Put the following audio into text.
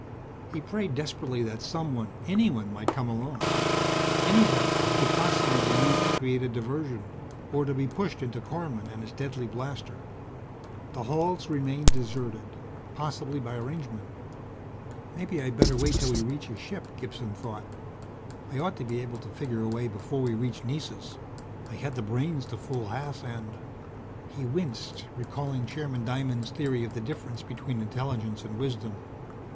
He prayed desperately that someone anyone might come along. Anybody who could possibly be used to create a diversion, or to be pushed into Korman and his deadly blaster. The halls remained deserted, possibly by arrangement. Maybe I'd better wait till we reach his ship, Gibson thought. I ought to be able to figure a way before we reach Nessus. I had the brains to fool Haas and ... He winced, recalling Chairman Diamond's theory of the difference between intelligence and wisdom.